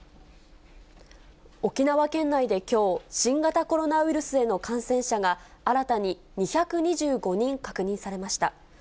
沖縄県内できょう、新型コロナウイルスへの感染者が新たに２２５人確認されました。